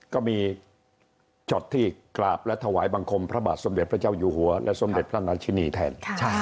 ก็มีช็อตที่กราบและถวายบังคมพระบาทสมเด็จพระเจ้าอยู่หัวและสมเด็จพระราชินีแทน